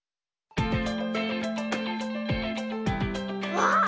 わっ！